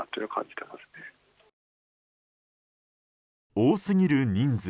多すぎる人数。